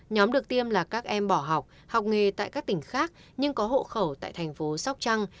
nhóm được tiêm là các em bỏ học học nghề tại các tỉnh khác nhưng có hộ khẩu tại thành phố sóc trăng